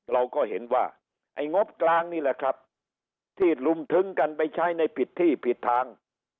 เราก็เห็นว่าไอ้งบกลางนี่แหละครับที่ลุมทึ้งกันไปใช้ในผิดที่ผิดทาง